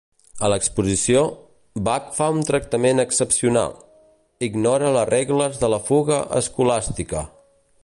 A l'exposició, Bach fa un tractament excepcional; ignora les regles de la fuga escolàstica.